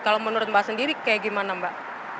kalau menurut mbak sendiri kayak gimana mbak